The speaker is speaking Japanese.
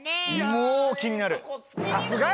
もう気になる！